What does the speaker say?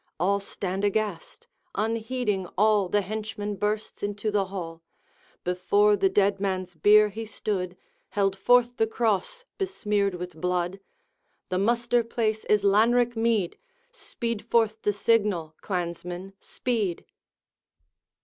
All stand aghast: unheeding all, The henchman bursts into the hall; Before the dead man's bier he stood, Held forth the Cross besmeared with blood; 'The muster place is Lanrick mead; Speed forth the signal! clansmen, speed!'